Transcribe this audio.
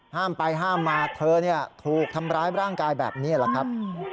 ห้ามไปห้ามมาเธอถูกทำร้ายร่างกายแบบนี้แหละครับ